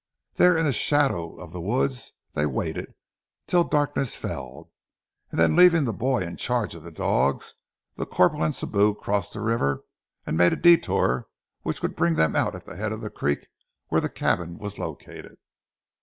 There in the shadow of the woods they waited till darkness fell, and then leaving the boy in charge of the dogs, the corporal and Sibou crossed the river, and made a detour which would bring them out at the head of the creek where the cabin was located.